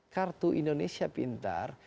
kartu indonesia pintar